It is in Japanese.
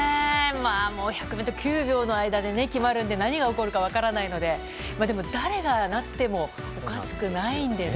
１００ｍ９秒の間で決まるので何が起こるか分からないのででも誰がなってもおかしくないんでね。